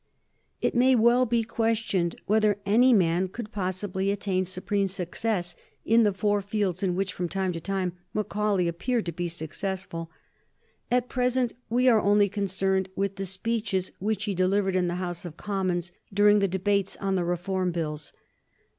It may well be questioned whether any man could possibly attain supreme success in the four fields in which, from time to time, Macaulay appeared to be successful. At present we are only concerned with the speeches which he delivered in the House of Commons during the debates on the Reform Bills.